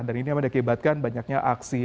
dan ini yang menyebabkan banyaknya aksi